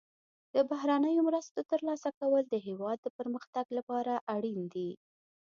د بهرنیو مرستو ترلاسه کول د هیواد د پرمختګ لپاره اړین دي.